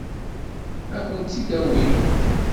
Ad kent-t-id-awint?